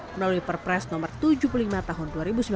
melalui perpres nomor tujuh puluh lima tahun dua ribu sembilan belas